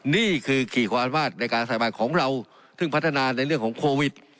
นี่คือขี่ความวาดในการใส่บาทของเราซึ่งพัฒนาในเรื่องของโควิด